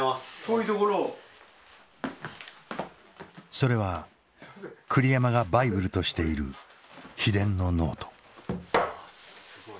それは栗山がバイブルとしている秘伝のノート。